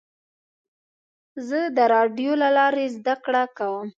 زه د راډیو له لارې زده کړه کوم.